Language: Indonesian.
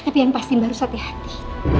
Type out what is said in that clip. tapi yang pasti mbak harus hati hati